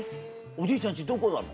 おじいちゃん家どこなの？